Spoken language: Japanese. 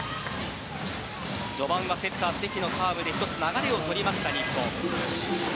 序盤はセッター関のスパイクで流れを取りました日本です。